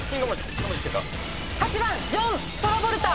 ８番ジョン・トラボルタ。